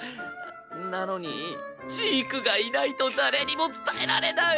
なのにジークがいないと誰にも伝えられない。